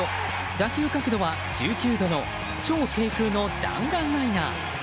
打球角度は１９度の超低空の弾丸ライナー。